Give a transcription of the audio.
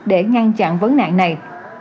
để ngăn chặn vấn nạn này